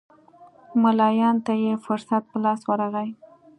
ملایانو ته یې فرصت په لاس ورغی.